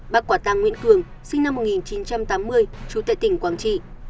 bác quả tăng nguyễn cường sinh năm một nghìn chín trăm tám mươi trú tại tỉnh quảng trị